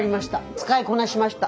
使いこなしました。